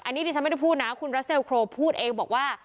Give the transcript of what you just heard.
อันนี้ดิฉันไม่ได้พูดนะคุณรัสเซลโครพูดเองบอกว่า